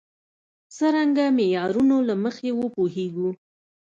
څرنګه معیارونو له مخې وپوهېږو.